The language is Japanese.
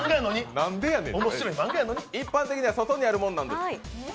一般には外にあるものなんです。